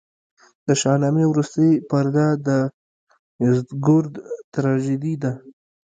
د شاهنامې وروستۍ پرده د یزدګُرد تراژیدي ده.